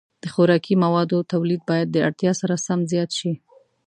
د خوراکي موادو تولید باید د اړتیا سره سم زیات شي.